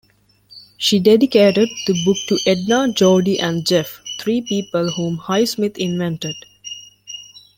She dedicated the book to "Edna, Jordy and Jeff"-three people whom Highsmith invented.